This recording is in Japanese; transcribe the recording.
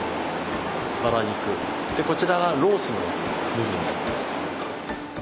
でこちらがロースの部分なんです。